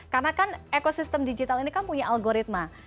karena kan ekosistem digital ini kan punya algoritma